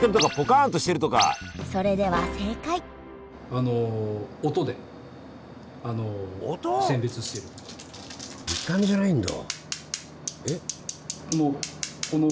それでは正解あの見た目じゃないんだ？